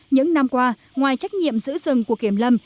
những năm qua ngoài trách nhiệm giữ rừng của kiểm lâm